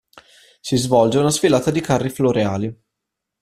Si svolge una sfilata di carri floreali.